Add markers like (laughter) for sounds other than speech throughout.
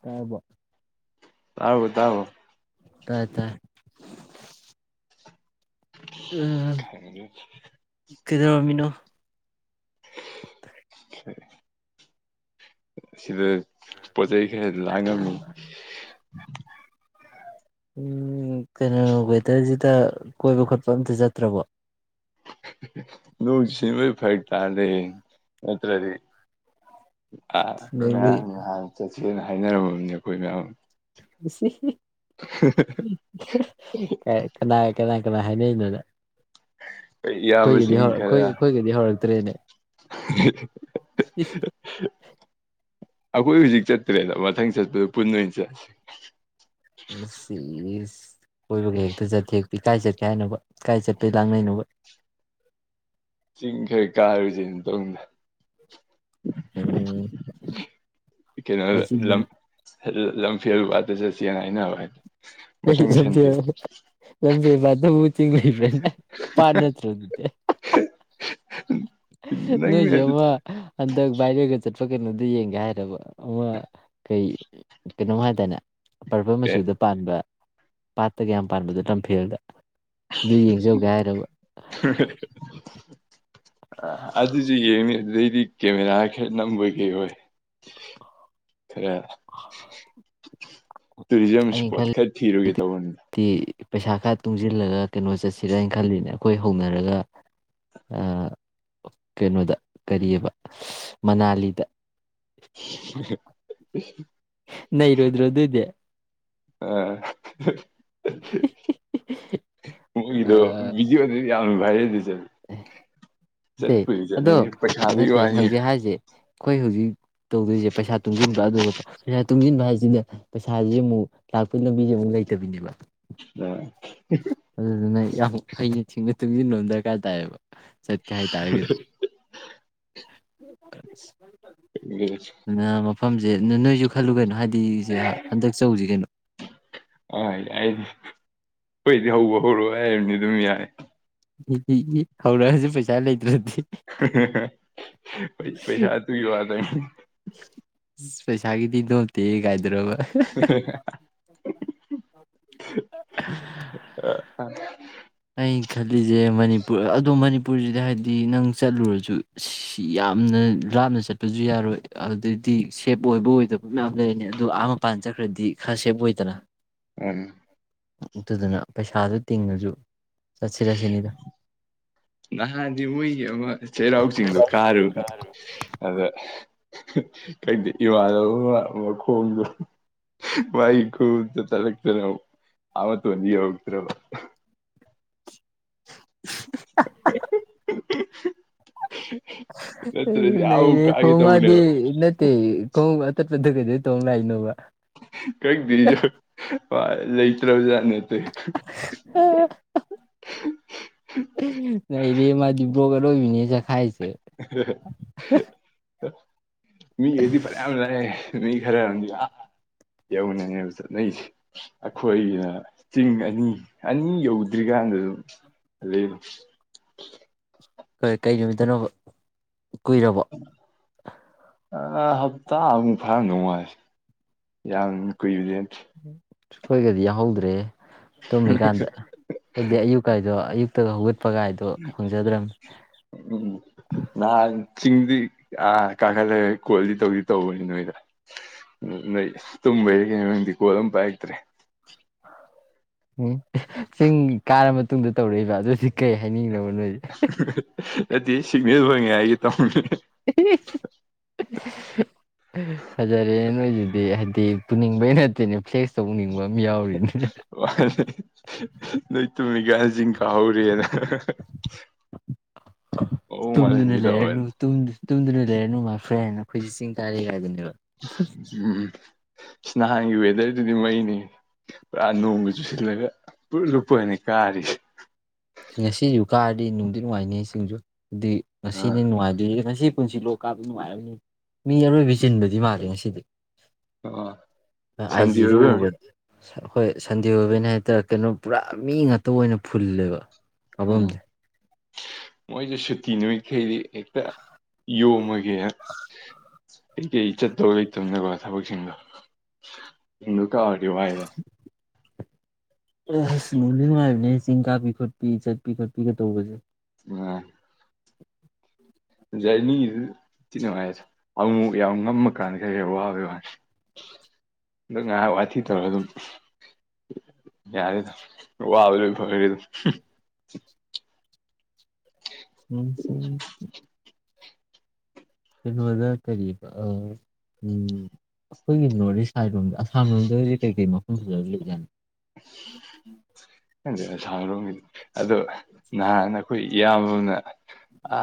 (inaudible) ꯇꯥꯏꯕꯣ ꯇꯥꯥꯔꯕꯣ ꯇꯥꯔꯕꯣ ꯇꯥꯏ ꯇꯥꯏ ꯎꯝ ꯈꯪꯗꯦ ꯀꯩꯗꯧꯔꯝꯃꯤꯅꯣ (inaudible) ꯁꯤꯗ ꯄꯣꯠ ꯆꯩꯩ ꯈꯔ ꯂꯥꯡꯉꯝꯃꯤ ꯎꯝ ꯀꯩꯅꯣ ꯋꯦꯗꯔꯁꯤꯗ ꯀꯣꯏꯕ ꯈꯣꯠꯄ ꯑꯝꯇ ꯆꯠꯇ꯭ꯔꯕꯣ ꯅꯣꯡꯁꯦ ꯐꯔꯛ ꯇꯥꯔꯦ ꯅꯠꯇꯔꯗꯤ ꯑ ꯅꯪꯗꯤ ꯉꯔꯥꯡ ꯅꯍꯥꯟ ꯆꯠꯁꯦꯅ ꯍꯥꯏꯅꯔꯝꯃꯕꯅꯤ ꯑꯩꯈꯣꯏ ꯃꯌꯥꯝ ꯁꯤ ꯀ ꯀꯗꯥꯏ ꯀꯅꯥ ꯀꯅꯥ ꯍꯥꯏꯅꯩꯅꯣ ꯅꯪ ꯑꯩꯈꯣꯏ ꯑꯩꯈꯣꯏꯒꯤꯗꯤ ꯏꯌꯥꯝꯕꯁꯤꯡ ꯍꯧꯔꯛ ꯈꯔ ꯑꯩꯈꯣꯏ ꯑꯩꯈꯣꯏꯒꯤꯗꯤ ꯍꯧꯔꯛꯦ ꯅꯦ (inaudible) ꯑꯩꯈꯣꯏ ꯍꯧꯖꯤꯛ ꯆꯠꯇ꯭ꯔꯦꯗ ꯃꯊꯪ ꯆꯠꯄꯗ ꯄꯨꯟ ꯑꯣꯏꯅ ꯆꯠꯂꯁꯤ (inaudible) ꯍꯣꯏꯛꯇ ꯆꯦ ꯄꯤ ꯀꯥꯏ ꯆꯠ ꯀꯥꯏ ꯍꯥꯏꯅꯣꯕ ꯀꯀꯥꯏ ꯆꯠꯄ ꯂꯥꯡꯅꯩꯅꯣꯕ ꯆꯤꯡꯈꯩ ꯀꯥꯔꯨꯁ ꯇꯧꯗ ꯎꯝ ꯀꯩꯅꯣ ꯀꯩ ꯆꯤꯡꯗꯅꯣ ꯂꯝ ꯂꯝ ꯐꯦꯔꯨꯕꯠꯇ ꯆꯠꯁꯤꯦꯅ ꯍꯥꯏꯅꯕ ꯍꯥꯏꯗꯣ ꯀ ꯂꯝꯝꯕꯤ ꯆꯤꯡꯂꯤ ꯐ꯭ꯔꯦꯟ ꯄꯥꯔꯅ ꯔ ꯅꯪꯅ ꯅꯣꯏꯁꯃ ꯍꯟꯗꯛ ꯕꯥꯏꯔ ꯂꯩꯒ ꯆꯠꯄ ꯀꯩꯅꯣꯗ ꯌꯦꯡꯒꯦ ꯍꯥꯏꯔꯕ ꯑꯃ ꯀꯩ ꯀꯩꯅꯣꯝ ꯍꯥꯏꯇꯥꯔꯅꯦ ꯄꯔꯐ ꯑꯦ ꯃꯆꯨꯗ ꯄꯥꯟꯕ ꯄꯥꯠꯇ ꯀꯌꯥꯝ ꯄꯥꯟꯕꯗ ꯇꯝꯐꯤꯦꯜꯗ ꯑꯗꯨ ꯌꯦꯡꯖꯧꯒꯦ ꯍꯥꯏꯔꯕ ꯑꯗꯨꯁꯨ ꯌꯦꯡꯉ ꯑꯗꯨꯗꯩꯗꯤ ꯀꯦꯃꯦꯔꯥ ꯈꯔ ꯅꯝꯕꯒꯤꯩ ꯑꯣꯏ ꯈꯔ ꯇꯨꯔꯤꯖꯝ ꯑꯩꯅ ꯏꯁꯄꯣꯠ ꯈꯔ ꯊꯤꯔꯨꯒꯦ ꯇꯧꯕꯅꯤꯗ ꯈꯜꯂꯤꯗꯤ ꯄꯩꯁꯥ ꯈꯔ ꯇꯨꯡꯁꯤꯜꯂꯒ ꯀꯩꯅꯣ ꯆꯠꯁꯤꯔ ꯍꯥꯏꯅ ꯈꯜꯂꯤꯅꯦ ꯑꯩꯈꯣꯏ ꯍꯧꯅꯔꯒ ꯀꯩꯅꯣꯗ ꯀꯔꯤꯑꯕ ꯃꯅꯥꯂꯤꯗ (inaudible) ꯅꯩ ꯔꯣꯏꯗꯔꯑꯣ ꯑꯗꯨꯗꯦ ꯑ ꯀꯗꯣ ꯕꯤꯖ ꯋꯥ ꯌꯥꯝ ꯍꯥꯏꯥꯏ ꯑꯦꯦ ꯑꯗꯣ ꯆꯠꯅꯤꯡꯉꯤ ꯄꯩꯁꯥꯗꯨꯒꯤ ꯅꯠꯇꯦ ꯋꯥꯅꯤ ꯍꯧꯖꯤꯛ ꯍꯥꯏꯔꯤꯁꯦ ꯑꯩꯈꯣꯏ ꯍꯧꯖꯤꯛ ꯇꯧꯗꯣꯏꯁꯦ ꯄꯩꯁꯥ ꯇꯨꯡꯁꯤꯟꯕ ꯑꯗꯨꯒ ꯄꯩꯁꯥ ꯇꯨꯡꯁꯤꯟꯕ ꯍꯥꯏꯁꯤꯅ ꯄꯩꯁꯥꯁꯦ ꯑꯃꯨꯛ ꯂꯥꯛꯄꯒꯤ ꯂꯝꯕꯤꯁꯦ ꯑꯃꯨꯛ ꯂꯩꯇꯕꯤꯅꯦꯕ ꯑꯗꯨ ꯑꯗꯨ ꯌꯥꯝ ꯍꯩꯅ ꯊꯤꯡꯅ ꯇꯨꯡꯁꯤꯟꯂꯣꯝ ꯗꯔꯀꯥꯔ ꯇꯥꯏꯌꯦꯕ ꯆꯠꯀꯦ ꯍꯥꯏꯇꯥꯔꯒꯗꯤ ꯑꯩꯗꯤ ꯑ ꯑꯗꯨꯅ ꯃꯐꯝꯁꯦ ꯅꯣꯏꯁꯨ ꯈꯜꯂꯨꯒꯩꯅꯣ ꯍꯥꯏꯗꯤꯁꯦ ꯍꯟꯗꯛ ꯆꯧꯁꯤ ꯀꯩꯅꯣ ꯑꯩꯣꯏꯗꯤ ꯍꯧꯕ ꯍꯧꯔꯣꯏ ꯍꯥꯏꯕꯅꯤ ꯑꯗꯨꯝ ꯌꯥꯏ ꯍ ꯍꯧꯔꯛꯑꯁꯨ ꯄꯩꯁꯥ ꯂꯩꯇ꯭ꯔꯗꯤ (unintelligible) ꯄꯩꯁꯥ ꯇꯨꯒꯤ ꯋꯥ ꯇ ꯑ ꯄꯩꯁꯥꯒꯤꯗꯤ ꯅꯣꯇꯦ ꯀꯥꯏꯗ꯭ꯔꯕ (unintelligible) ꯑ ꯈꯜꯂꯤꯁꯦ ꯃꯅꯤꯄꯨꯔ ꯑꯗꯣ ꯃꯅꯤꯄꯨꯔꯁꯤꯗ ꯍꯥꯏꯗꯤ ꯅꯪ ꯆꯠꯂꯨꯔꯁꯨ ꯌꯥꯝꯅ ꯂꯥꯞꯅ ꯆꯠꯄꯁꯨ ꯌꯥꯔꯣꯏ ꯑꯗꯨꯗꯩꯗꯤ ꯁꯦꯞ ꯑꯣꯏꯕ ꯑꯣꯏꯗꯕ ꯃꯌꯥꯝ ꯂꯩꯔꯅꯤ ꯑꯗꯣ ꯑꯥ ꯃꯄꯥꯟ ꯆꯠꯈ꯭ꯔꯗꯤ ꯈꯔ ꯁꯦꯞ ꯑꯣꯏꯗꯅ ꯎ ꯑꯗꯨꯗꯅ ꯄꯩꯁꯥꯗꯣ ꯇꯤꯡꯉꯁꯨ ꯆꯠꯁꯤꯔꯁꯤꯅꯤꯗ ꯅꯍꯥꯟꯗꯤ ꯃꯣꯏꯒꯤ ꯑꯃ ꯆꯩꯔꯥꯎ ꯆꯤꯡꯗꯣ ꯀꯥꯔꯨꯕꯅꯦ ꯑꯗ ꯀꯗ ꯏ ꯋꯥꯗꯣꯡꯗ ꯃꯏ ꯈ ꯆ ꯂꯛꯇꯔꯠꯇꯅꯤꯛꯇ꯭ꯔ (unintelligible) (unintelligible) ꯅꯠꯇ꯭ꯔꯗꯤ ꯅ ꯑꯥꯕꯨꯛ ꯀꯥꯒꯦ ꯇꯧꯕꯅꯦꯕ ꯀꯣꯡꯃꯗꯤ ꯅ ꯀꯣꯡꯃ ꯆꯠꯄꯗꯨ ꯀꯩꯗꯩ ꯇꯧ ꯂꯥꯛꯏꯅꯣꯕ ꯀ ꯖ ꯐ ꯂꯩꯇ꯭ꯔꯕꯖꯥ ꯅꯠꯇ ꯅ ꯏꯅꯦꯦ ꯃꯥꯗꯤ ꯔꯣꯒ ꯑꯦ ꯂꯣꯒꯤ ꯃꯤꯅꯤꯁꯦ ꯈꯥꯏꯦ (inaudible) ꯑ ꯃꯤ ꯌꯦꯡꯕꯗꯤ ꯐꯅꯌꯥꯝ ꯂꯥꯛꯑꯦ ꯃꯤ ꯈꯔ ꯑꯃꯗꯤ ꯑꯥ ꯌꯧꯅꯅꯦꯕ ꯆꯠꯅꯩꯁꯦ ꯑꯩꯈꯣꯏꯒꯤꯅ ꯆꯤꯡ ꯑꯅꯤ ꯑꯅꯤ ꯌꯧꯗ꯭ꯔꯤꯀꯥꯟꯗ ꯑꯗꯨꯝ ꯂꯩ ꯀꯩ ꯀꯩ ꯅꯨꯃꯤꯠꯇꯅꯣꯕ ꯀꯨꯏꯔꯕ‌ꯣ ꯍꯞꯇꯥ ꯑꯃꯨꯛ ꯐꯔꯝꯗꯧ ꯃꯥꯜꯂ‌ꯦ ꯌꯥꯝ ꯀꯨꯏꯔ‌ꯦ ꯑꯈꯣꯏꯒꯗꯤ ꯌꯥꯎꯍꯧꯗ꯭ꯔꯦ ꯇꯨꯝꯃ ꯀꯥꯟꯗ ꯈ‌ꯣꯏꯗꯤ ꯑꯌꯨꯛ ꯀꯥꯏꯗꯣ ꯑꯌꯨꯛꯇ ꯍꯧꯒꯠ ꯎꯝ ꯅꯍꯟ ꯆꯤꯡꯗꯤ ꯑꯥ ꯀꯥꯈꯠꯂꯦ ꯀꯣꯜꯗꯤ ꯇꯧꯗꯤ ꯇꯧꯕꯅꯤ ꯅꯣꯏꯗ ꯅꯣꯏ ꯇꯨꯝꯕꯩꯔ ꯀꯩꯪꯅ‌ꯣ ꯈꯪꯗ‌ꯦ ꯀꯣꯜ ꯑꯃꯝ ꯄꯥꯏꯔꯛꯇ꯭ꯔꯦ ꯎꯝ ꯆꯤꯡ ꯀꯥꯔ ꯃꯇꯨꯡꯗ ꯇꯧꯔꯛꯏꯕ ꯑꯗꯨꯗꯤ ꯀꯩ ꯍꯥꯏꯅꯤꯡꯉꯤꯅ‌ꯣ (inaudible) ꯅꯠꯇꯦ ꯁꯤꯒꯅꯦꯜ ꯑꯣꯏꯉꯩꯒꯤ ꯇꯧꯕꯅ ꯐꯖꯔꯦ ꯅꯣꯏꯁꯤꯗꯤ ꯍꯥꯏꯗꯤ ꯄꯨꯅꯤꯡꯕꯩ ꯅꯠꯇꯦꯅꯦ ꯐ꯭ꯂꯦꯛꯁ ꯇꯧꯅꯤꯡꯕ ꯑꯃ ꯌꯥꯎꯔꯤꯅꯦ ꯋꯥ (unintelligible) ꯇꯨꯝꯅꯤꯡ ꯒꯥꯟꯁꯤ ꯀꯥꯍꯧꯔ‌ꯦꯅ ꯑꯣ ꯇꯨꯝꯗꯨꯅ ꯃꯥꯔꯖꯤꯡ ꯂꯩꯔꯅꯨ (unintelligible) ꯍꯨꯖꯤꯛ ꯆꯤꯡ ꯀꯥꯔꯦ ꯀꯥꯏꯗꯨꯅꯦꯕ ꯎꯝ ꯁꯤ ꯅꯍꯥꯟꯒꯤ ꯋꯦꯗꯔꯗꯨꯗꯤ ꯃꯩꯅꯤ ꯄꯨꯔꯥ ꯅꯣꯡꯒ ꯆꯨꯁꯤꯜꯂꯒ ꯄꯨꯡꯂꯨꯞ ꯂꯨꯞꯄꯒꯅꯤ ꯀꯥꯔꯤꯁꯦ ꯉꯁꯤꯁꯨ ꯀꯥꯔꯗꯤ ꯅꯨꯡꯗꯤ ꯅꯨꯡꯉꯥꯏꯅꯤ ꯆꯤꯡꯁꯨ ꯑꯗꯨꯗꯤ ꯉꯁꯤꯅꯦ ꯑꯥ ꯅꯨꯡꯉꯥꯏꯗꯣꯏꯔꯤ ꯉꯁꯤ ꯄꯨꯟꯁꯤ ꯂꯣꯛ ꯀꯥꯕ ꯅꯨꯡꯉꯥꯏꯔꯕꯅꯤ ꯃꯤ ꯑꯔꯣꯏꯕꯤ ꯆꯤꯟꯕꯗꯤ ꯃꯥꯜꯂ‌ꯦ ꯉꯁꯤꯗꯤ ꯑ ꯁꯥꯟꯗ‌ꯦ ꯑꯣꯏꯕꯩ ꯑꯣꯏꯔꯝꯅꯤ ꯍ‌ꯣꯏ ꯁꯟꯗꯦ ꯑꯣꯏꯕꯩꯅꯦ ꯍꯥꯏꯇꯥꯔꯦ ꯀꯩꯅꯣ ꯄꯨꯔꯥ ꯃꯤ ꯉꯥꯛꯇ ꯑꯣꯏꯅ ꯐꯨꯜꯂꯦꯕ ꯃꯐꯝꯁ‌ꯦ ꯃꯣꯏꯁꯦ ꯁꯨꯇꯤ ꯅꯨꯃꯥꯠꯈꯩꯗꯤ ꯍꯦꯛꯇ ꯌꯣꯝꯃꯒꯦ ꯀꯩꯀꯩ ꯆꯠꯇꯧ ꯂꯩꯇꯕꯅꯦꯀꯣ ꯊꯕꯛꯁꯤꯡꯗꯣ ꯀꯥꯔꯗꯤ (unintelligible) ꯑ ꯑꯁ ꯅꯨꯡꯗꯤ ꯅꯨꯡꯉꯥꯏꯕꯅꯦ ꯆꯤꯡ ꯀꯥꯕꯤ ꯈꯣꯠꯄꯤ ꯆꯠꯄꯤ ꯈꯣꯠꯄꯤꯒ ꯇꯧꯕꯁꯦ ꯅꯨꯡꯉꯥꯏ ꯖꯔꯅꯤꯗꯨꯤ ꯅꯨꯡꯉꯥꯏꯁꯨ ꯑꯃꯨꯛ ꯌꯥꯝ ꯉꯝꯃꯀꯥꯟꯗ ꯈꯩ ꯋꯥꯕꯩ ꯋꯥꯦꯗ ꯉꯥꯏꯍꯥꯛ ꯋꯥꯊꯤ ꯇꯧꯔꯒ ꯑꯗꯨꯝ ꯌꯥꯔꯦꯗ ꯋꯥꯕ ꯂꯣꯏ ꯐꯈꯦ ꯑꯗꯨꯝ ꯎꯝ ꯍꯝ ꯀꯩꯅꯣꯗ ꯀꯔꯤ ꯑꯩꯈꯣꯏꯒꯤ ꯅꯣꯔꯠ ꯏꯁ ꯁꯥꯏꯠ ꯂꯣꯝꯗ ꯑꯁꯥꯝ ꯂꯣꯝꯗꯗꯤ ꯀꯔꯤ ꯀꯔꯤ ꯃꯐꯝ ꯐꯖ ꯂꯩꯖꯠꯅꯤ ꯎꯝ ꯁꯔꯣꯝꯒꯤꯗꯤ ꯑꯗꯣ ꯅꯍꯥꯟꯅ ꯑꯩꯈꯣꯏ ꯏꯌꯥꯝꯕꯅ ꯑ ꯃ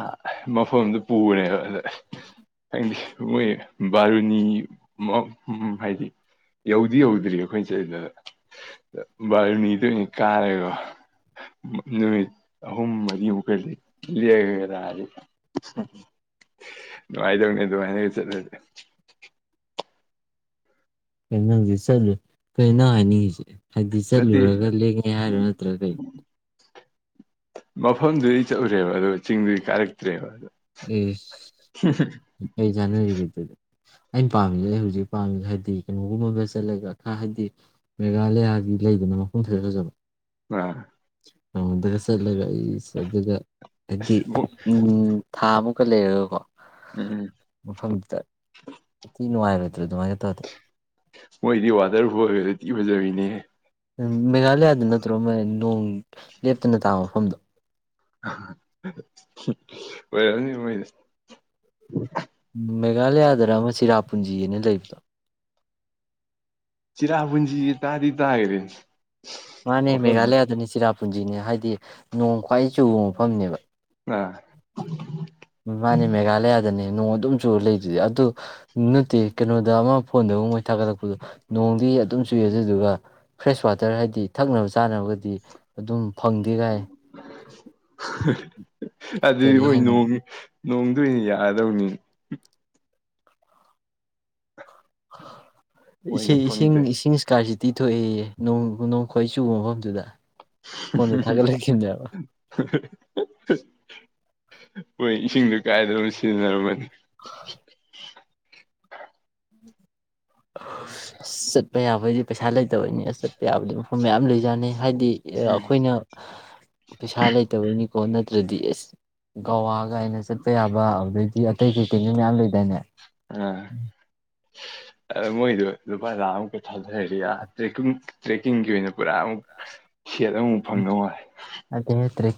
ꯃꯐꯝꯗ ꯄꯨꯈꯅꯦꯦꯕ ꯑꯗ ꯈꯪꯗꯦ ꯃꯣꯏ ꯕꯥꯔꯨꯅꯤ ꯍꯥꯏꯗꯤ ꯌꯧꯗꯤ ꯌꯧꯗ꯭ꯔꯤ ꯑꯩꯈꯣꯏꯅꯆꯗꯗ ꯕꯥꯔꯅꯤꯗꯅꯤ ꯀꯥꯔꯦꯒ ꯅꯨꯃꯤꯠ ꯑꯍꯨꯝ ꯃꯔꯤꯃꯨꯛꯀꯗꯤ ꯂꯦꯛꯔꯥ ꯅꯨꯡꯉꯥꯏꯗꯧꯅꯦ ꯑꯗꯨꯃꯥꯏꯅꯒ ꯆꯠꯂꯁꯦ ꯀ ꯅꯪꯁ ꯆꯠꯂꯦ ꯀꯔꯤꯅ ꯍꯥꯏꯅꯤꯁꯦ ꯍꯥꯏꯕꯗꯤ ꯅꯠꯇꯦ ꯆꯠꯂꯨꯔꯒ ꯂꯦꯡꯉꯦ ꯍꯥꯏꯔꯣ ꯅꯠꯇ꯭ꯔꯥ ꯀꯩꯅ ꯃꯐꯝꯗꯨꯗꯤ ꯆꯠꯎꯨꯔꯦꯕ ꯑꯗꯣ ꯆꯤꯡꯗꯨꯗꯤ ꯀꯥꯔꯛꯇ꯭ꯔꯦꯕ ꯏꯁ ꯀꯩ ꯆꯥꯟꯅꯔꯤꯒꯦ ꯑꯗꯨꯗꯤ ꯑꯩꯅ ꯄꯥꯝꯃꯤꯁꯦ ꯑꯩ ꯍꯧꯖꯤꯛ ꯄꯥꯝꯃꯤꯁꯦ ꯍꯥꯏꯕꯗꯤ ꯀꯩꯅꯣꯒꯨꯝꯕꯗ ꯆꯠꯂꯒ ꯈꯔ ꯍꯥꯏꯕꯗꯤ ꯃꯦꯒꯥꯥꯂꯌꯥꯒꯤ ꯂꯩꯗꯅ ꯃꯐꯝ ꯈꯥꯔ ꯐꯖꯕ ꯑꯥ ꯑꯣꯗꯁꯂꯒ ꯑꯩꯁ ꯑꯗꯨꯗ ꯍꯥꯏꯗꯤ ꯑꯁ ꯎꯝ ꯍꯥꯥꯃꯨꯀ ꯂꯩꯔꯀꯣ ꯎꯝ ꯃꯐꯝꯗꯤ ꯅꯨꯡꯉꯥꯏ ꯑꯗꯨꯃꯒꯥ ꯇꯧꯔꯗꯤ ꯃꯣꯏꯗꯤ ꯋꯥꯇꯔꯐꯨꯜꯒꯖ ꯊꯤ ꯐꯖꯕꯤꯅꯦ ꯎ ꯃꯦꯒꯂꯦꯌꯥꯗ ꯅꯠꯇ꯭ꯔꯣ ꯃꯣꯏ ꯑꯗꯨ ꯅꯣꯡ ꯂꯦꯞꯇꯅ ꯇꯥꯕ ꯃꯐꯝꯗꯣ ꯑꯣꯏꯔꯝꯅꯤ ꯃꯣꯏ ꯎ ꯃꯦꯒꯥꯂꯦꯌꯥꯗꯔ ꯑꯃ ꯁꯤꯔꯥꯄꯨꯟꯖꯤꯑꯅ ꯂꯩꯕꯗꯣ ꯆꯤꯔꯄꯨꯨꯟꯖꯤꯖꯦ ꯇꯗꯤ ꯇꯒꯔꯦ ꯃꯥꯅꯦ ꯃꯦꯘꯥꯂꯌꯥ ꯗꯅꯦ ꯁꯤꯔꯥꯄꯨꯟꯖꯤ ꯅꯦ ꯍꯥꯏꯗꯤ ꯅꯣꯡ ꯈ꯭ꯋꯥꯏ ꯆꯨꯕ ꯃꯐꯝꯅꯦꯕ ꯑꯥ ꯃꯥꯅꯤ ꯃꯦꯘꯂꯌꯥ ꯅꯦ ꯅꯣꯡ ꯑꯗꯨꯝꯁꯨ ꯂꯩꯗꯨꯗꯤ ꯑꯗꯨ ꯅꯠꯇꯦ ꯀꯩꯅꯣꯗ ꯑꯃ ꯐꯣꯟꯗ ꯑꯃ ꯃꯣꯏ ꯊꯥꯒꯠꯂꯛꯄꯗꯣ ꯅꯣꯡꯗꯤ ꯑꯗꯨꯨꯝ ꯆꯨꯏ ꯑꯗꯨꯗꯨꯒ ꯐ꯭ꯔꯦꯁ ꯋꯥꯇꯔ ꯍꯥꯏꯗꯤ ꯊꯛꯅꯕ ꯆꯥꯅꯕꯒꯗꯤ ꯑꯗꯨꯝ ꯐꯪꯗꯦ ꯀꯥꯏ ꯑꯗꯨꯗꯤ ꯀꯔꯤ ꯃꯣꯏ ꯍꯥꯏꯅꯣ ꯅꯣꯡ ꯅꯣꯡꯗꯣꯏ ꯑꯣꯏꯅ ꯌꯥꯗꯧꯅꯤ (unintelligible) ꯃꯣꯏꯅ ꯏꯁꯤꯡ ꯏꯁꯤꯡ ꯐꯪꯗꯦ ꯏꯁꯤꯡ ꯏꯁꯀꯥꯏ ꯇꯤ ꯊꯣꯛꯑꯦꯌꯦ ꯅꯣꯡ ꯈ꯭ꯋꯥꯏ ꯆꯨꯕ ꯃꯐꯝꯗꯨꯗ ꯐꯣꯟꯗ ꯊꯥꯒꯠꯂꯛꯈꯤ ꯕꯥꯅꯦ ꯍꯣꯏ ꯏꯁꯤꯡꯗ ꯀꯥꯏꯗꯅ ꯁꯤꯖꯤꯟꯅꯔꯝꯃꯅꯤ ꯆꯠꯄ ꯌꯥꯕꯩꯗꯤ ꯄꯩꯁꯥ ꯂꯩꯇꯕꯅꯤ ꯆꯠꯄ ꯌꯥꯕꯗꯤ ꯃꯐꯝ ꯃꯌꯥꯝ ꯂꯩꯖꯥꯅꯤ ꯍꯥꯏꯗꯤ ꯑꯩꯈꯣꯏꯅ ꯄꯩꯁꯥ ꯂꯩꯇꯕꯩꯅꯤ ꯀꯣ ꯅꯠꯇ꯭ꯔꯗꯤ ꯑꯦꯁ ꯒꯋꯥ ꯒꯥꯏꯅ ꯆꯠꯄ ꯌꯥꯕ ꯂꯩꯗꯤ ꯑꯇꯩ ꯀꯩ ꯀꯩꯅꯣ ꯃꯌꯥꯝ ꯂꯩ ꯗꯥꯏꯅꯦ ꯑꯥ ꯑ ꯃꯣꯏꯗꯨ ꯂꯨꯄꯥ ꯂꯥ ꯑꯝ ꯃꯨꯛꯀ ꯊꯥꯗꯔꯤ ꯌꯥ ꯇ꯭ꯔꯀꯤꯡ ꯇ꯭ꯔꯦꯛꯀꯤꯡꯒꯤ ꯑꯣꯏꯅ ꯄꯨꯔꯥ ꯑꯃꯨꯛ ꯁꯦꯠ ꯑꯃꯃꯨꯛ ꯐꯪꯅ ꯋꯥꯏ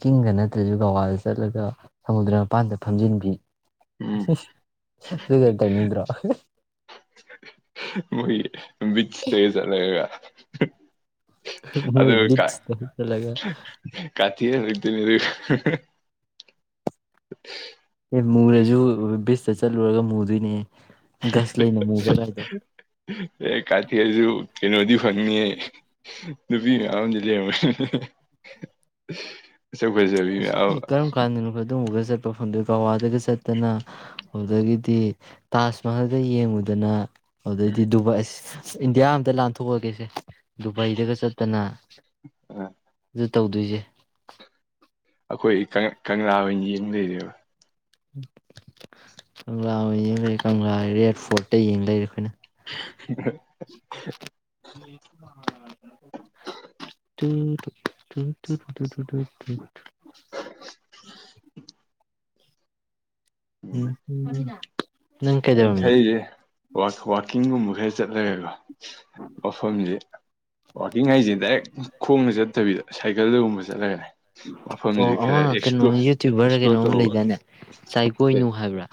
ꯀꯤꯡꯒ ꯅꯠꯇ꯭ꯔꯁꯨ ꯒꯋꯥꯗ ꯆꯠꯂꯒ ꯁꯃꯨꯗ꯭ꯔ ꯃꯄꯥꯟꯗ ꯐꯝꯖꯟꯕꯤ ꯎꯝ ꯗꯨꯗꫭ ꯑꫭꯏꯅ ꯇꯧꯅꯤꯡꯗ꯭ꯔꯣ ꯃꯣꯏ ꯕꯤꯠꯆꯇꯒ ꯆꯠꯂꯒ ꯍꯍ ꯃꯣꯏ ꯑꯗꯨꯒ ꯀꯥ ꯕꯤꯆꯇ ꯆꯠꯂꯒ ꯍꯍꯍ ꯀꯥꯊꯦꯛꯑꯒ ꯍꯜꯂꯛꯊꫭꯏꯅꯤ ꯑꯗꯨ (inaudible) ꯑꯦ ꯃꯨꯔꯁꯨ ꯕꯤꯁꯇ ꯆꯠꯂꯨꯔꯒ ꯃꯨꯗꯣꯏꯅꯤꯍꯦ ꯑꯦ ꯀꯥꯊꯦꯛ ꯑꯁꯁꯨ ꯀꯩꯅꯗꯤ ꯐꯪꯅꯤꯍꯦ ꯅꯨꯄꯤ ꯃꯌꯥꯝ ꯑꯃꯖꯨ ꯂꯩꯔꯝꯃꯟ ꯑꯁ (unintelligible) ꯀꯔꯝ ꯀꯥꯟꯗꯅꯣ ꯑꯗꯨꯝꯕꯒ ꯆꯠꯄ ꯐꯪꯗꯣꯏ ꯒꯋꯥꯗꯒ ꯆꯠꯇꯅ ꯑꯗꯒꯤꯗꯤ ꯇꯥꯖ ꯃꯍꯜꯒ ꯌꯦꯡꯉꯨꯗꯅ ꯑꯗꯨꯗꯩꯗꯤ ꯗꯨꯕꯥꯏꯁ ꯁ ꯏꯟꯗꯤꯌꯥ ꯑꯝꯇ ꯂꯥꯟꯊꯣꯛꯑꯒꯦꯁꯦ ꯗꯨꯕꯥꯏꯗꯒ ꯆꯠꯇꯅ ꯗꯨꯠ ꯇꯧꯗꯣꯏꯁꯦ ꯑꯈꯣꯏ ꯀꯪ ꯀꯪꯂꯥ ꯑꯣꯏꯅ ꯌꯦꯡ ꯂꯩꯔꯦꯕ ꯀꯪꯂꯥ ꯑꯣꯏꯅ ꯌꯦꯡ ꯂꯩꯔꯦ ꯀꯪꯂꯥ ꯔꯦꯠ ꯐꯣꯔꯠꯇ ꯌꯦꯡ ꯂꯩꯔꯦ ꯑꯩꯈꯣꯏꯅ (inaudible) ꯇꯨ ꯇꯨꯛ ꯇꯨ ꯇꯨ ꯇꯨ ꯇꯨꯇꯨ ꯎꯝ ꯍꯨꯝ ꯑꯃꯤꯅꯥ ꯑꯩꯅ ꯈꯩꯁꯦ ꯋꯥ ꯋꯥꯛꯀꯤꯡꯒꯨꯝꯕ ꯈꯩ ꯆꯠꯂꯒꯀꫭ ꯃꯐꯝꯁꯦ ꯋꯥꯛꯀꯤꯡ ꯍꯥꯏꯁꯦ ꯗꯥꯏꯔꯦꯛ ꯈꯣꯡꯅ ꯆꯠꯇꯕꯤꯗ ꯁꯥꯏꯀꯜꯗꯒꯨꯝꯕ ꯗꯂꯩꯔꯦ ꯑꯣ ꯑꯃ ꯀꯩꯅꯣ ꯌꯨꯇ꯭ꯌꯨꯕꯔ ꯔꯥ ꯑꯦꯛꯁꯄ꯭ꯂꯣꯔ ꯀꯩꯅꯣꯝ ꯇꯧꯕ ꯂꯩꯗꯥꯏꯅꯦ ꯆꯥꯏ ꯀꯣꯏꯅꯨ ꯍꯥꯏꯕ꯭ꯔꯥ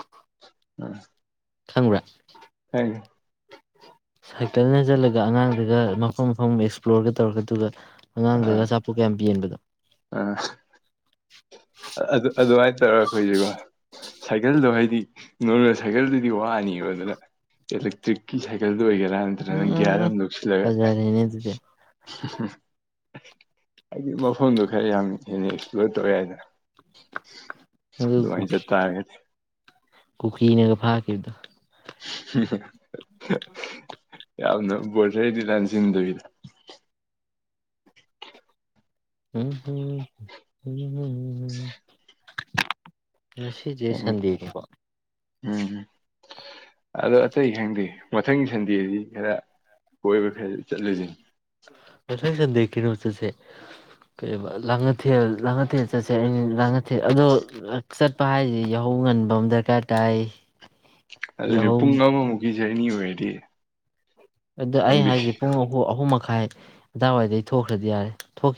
ꯈꯪꯕ꯭ꯔꯥ ꯈꯪꯉꯤ ꯁꯥꯏꯀꯜꯅ ꯆꯜꯂꯒ ꯑꯉꯥꯡꯗꯨꯒ ꯃꯐꯝ ꯃꯐꯝ ꯑꯦꯛꯁꯄ꯭ꯂꯣꯔꯒ ꯇꯧꯔꯒꯗꯨꯒ ꯑꯥ ꯑꯥ ꯑꯗꯨ ꯑꯗꯨꯃꯥꯏꯅ ꯇ ꯁꯥꯏꯀꯜꯗꯣ ꯍꯥꯏꯗꯤ ꯅꯣꯔꯃꯦꯜ ꯁꯥꯏꯀꯜꯗꯨ ꯑꯗꯨ ꯋꯥꯅꯤꯕ ꯑꯗꯨꯅ ꯏꯂꯦꯛꯇ꯭ꯔꯤꯛꯀꯤ ꯁꯥꯏꯀꯜ ꯑꯗꯨ ꯑꯣꯏꯒꯦꯔꯥ ꯅꯠꯇ꯭ꯔꯒꯅ ꯎꯝ ꯎꯝ ꯒ꯭ꯌꯥꯔ ꯎꯝ ꯑꯃ ꯂꯧꯁꯜꯂꯒ ꯐꯖꯔꯦꯅꯦ ꯑꯗꯨꯗꯤ ꯍꯥꯏꯗꯤ ꯃꯐꯝꯗꯨꯣ ꯈꯔ ꯌꯥꯝ ꯍꯦꯟꯅ ꯑꯦꯛꯁꯄ꯭ꯂꯣꯔ ꯇꯧꯋꯦ ꯍꯥꯏꯅ ꯑꯗꯨ ꯑꯗꯨꯗꯨꯋꯥꯏ ꯀꯨꯀꯤ ꯆꯇꯥꯔ ꯀꯨꯀꯤꯅꯒ ꯐꯥꯈꯤꯕꯗꯣ ꯍꯝ ꯍ ꯌꯥꯝꯅ ꯣꯁꯗꯤ ꯂꯦꯟꯁꯤꯟꯗꯨꯒꯤꯗ ꯎ ꯉꯁꯤꯁꯦ ꯎꯝ ꯁꯟꯗꯦꯅꯦꯀꯣ ꯎꯝ ꯑꯗꯣ ꯑꯇꯩ ꯈꯪꯗꯦ ꯃꯊꯪꯒꯤ ꯁꯟꯗꯦꯁꯤ ꯈꯔ ꯀꯣꯏꯕꯔ ꯆꯠꯂꯨꯁꯤꯅꯤ ꯉꯁꯥꯏ ꯁꯟꯗꯦꯛ ꯀꯩꯅꯣ ꯆꯠꯁꯦ ꯀ ꯂꯥꯡꯉꯊꯦꯜ ꯂꯥꯡꯉꯊꯦꯜ ꯆꯠꯁꯦ ꯑꯩꯅ ꯂꯥꯡꯉꯊꯦꯜ ꯑꯗꯣ ꯆꯠꯄ ꯍꯥꯏꯁꯦ ꯌꯥꯍꯧ ꯉꯟꯕ ꯑꯃ ꯗꯔꯀꯥꯔ ꯇꯥꯏ ꯑꯗꯨꯅꯦ ꯌꯥꯍꯧ ꯄꯨꯡ ꯑꯃꯃꯨꯛꯀꯤꯦ ꯖꯅꯤ ꯑꯣꯏꯗꯤ ꯑꯗꯨꯗ ꯑꯩ ꯍꯥꯏꯁꯦ ꯄꯨꯡ ꯑꯍ ꯑꯍꯨꯝ ꯇꯥꯏ ꯑꯋꯥꯏꯗ ꯑꯩ ꯊꯣꯛꯈ꯭ꯔꯗꯤ ꯌꯥꯔꯦ ꯊꯣꯛꯈꯤ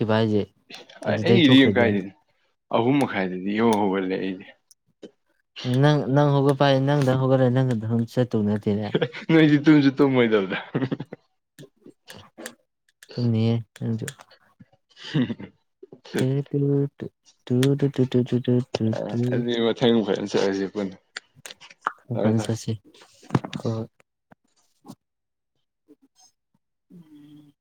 ꯑꯩꯗꯤ ꯀꯥꯏꯗꯅꯦ ꯑꯍꯨꯝ ꯃꯈꯥꯏꯗꯗꯤ ꯏꯍꯣ ꯍꯧꯕ ꯂꯩꯗꯤꯦ ꯅꯪ ꯅꯪ ꯍꯒ ꯄꯥꯏ ꯅꯪꯗ ꯍꯒ꯭ꯔꯦ ꯅꯪꯗ ꯆꯠ ꯅꯣꯏꯗꯤ ꯇꯨꯝꯁꯨ ꯇꯨꯝꯃꯣꯏꯗꯕꯗ ꯇꯅꯤꯌꯦ ꯀꯁꯨ ꯍ ꯀꯦ ꯇ ꯇ ꯇ ꯑꯗꯨꯃ ꯊꯥꯏ ꯐꯔ ꯆꯔꯤꯁꯦ ꯄꯨꯟꯅ ꯐꯔꯦ ꯐꯔꯦ ꯄꯆꯥꯁꯤ ꯍꯣꯏ ꯎꯝ